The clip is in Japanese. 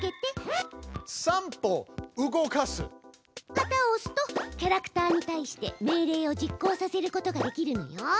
旗をおすとキャラクターにたいして命令を実行させることができるのよ！